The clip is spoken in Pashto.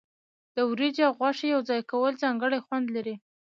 د وریجې او غوښې یوځای کول ځانګړی خوند لري.